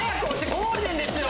ゴールデンですよ！